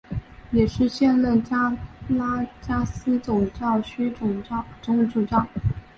也是现任加拉加斯总教区总主教。